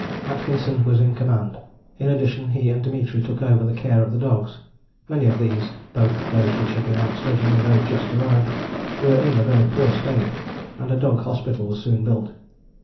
Atkinson was in command: in addition, he and Dimitri took over the care of the dogs. Many of these, both those which had been out sledging and those just arrived, were in a very poor state, and a dog hospital was soon built.